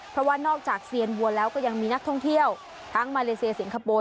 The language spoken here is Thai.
เพราะว่านอกจากเซียนวัวแล้วก็ยังมีนักท่องเที่ยวทั้งมาเลเซียสิงคโปร์